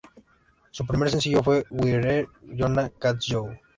Su primer sencillo fue "We're Gonna Catch You!